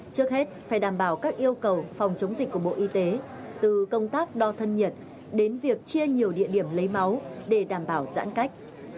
trước hết phải đảm bảo các yêu cầu phòng chống dịch của bộ y tế từ công tác đo thân nhiệt đến việc chia nhiều địa điểm lấy máu để đảm bảo giãn cách